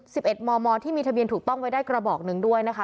สิบเอ็ดมอที่มีทะเบียนถูกต้องไว้ได้กระบอกหนึ่งด้วยนะคะ